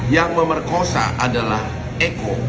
yang memerkosa adalah eko